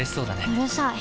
うるさい。